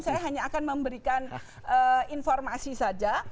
saya hanya akan memberikan informasi saja